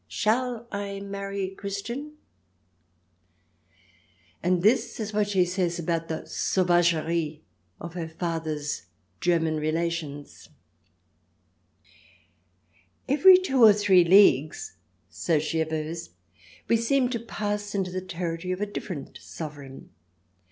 ^" Shall I marry Christian ?" And this is what she says about the sauvagerie of her father's German relations :" Every two or three leagues," so she avers, " we seemed to pass into the territory of a different Sovereign.